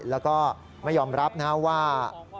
แล้วก็ไม่ยอมรับนะว่า